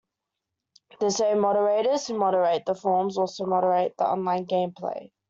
The same moderators who moderate the forums also moderate the online gameplay.